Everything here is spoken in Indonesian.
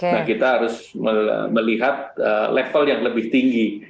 nah kita harus melihat level yang lebih tinggi